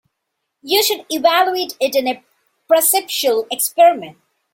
You should evaluate it in a perceptual experiment.